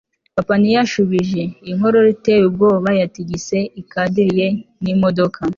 papa ntiyashubije. inkorora iteye ubwoba yatigise ikadiri ye n'imodoka